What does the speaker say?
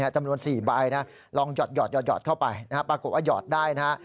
จำนวน๔ใบลองหยอดเข้าไปปรากฏว่าหยอดได้นะฮะ